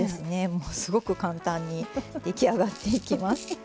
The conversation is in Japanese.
もうすごく簡単に出来上がっていきます。